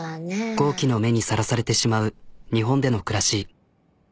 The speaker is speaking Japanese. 好奇の目にさらされてしまう日本での暮らし。